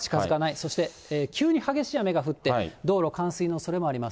そして急に激しい雨が降って、道路冠水のおそれもあります。